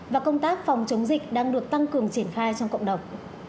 và công tác phòng chống dịch đang được tăng cường triển khai trong cộng đồng